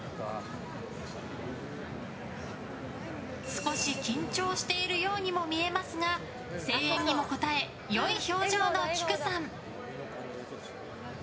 少し緊張しているようにも見えますが声援にも応え良い表情のきくさん。